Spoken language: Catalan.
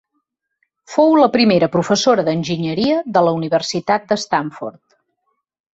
Fou la primera professora d'enginyeria de la Universitat de Stanford.